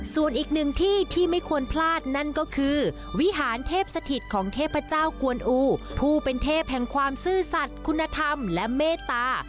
ส่วนอีกหนึ่งที่ที่ไม่ควรพลาดนั่นก็คือวิหารเทพสถิตของเทพเจ้ากวนอูผู้เป็นเทพแห่งความซื่อสัตว์คุณธรรมและเมตตา